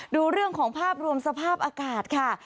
ดูเรื่องของภาพรวมสภาพอากาศค่ะ